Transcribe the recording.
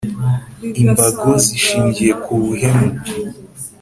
Imbago zishingiye ku buhemu